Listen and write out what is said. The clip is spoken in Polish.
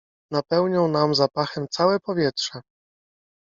— Napełnią nam zapachem całe powietrze!